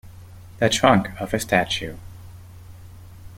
The trunk of a statue.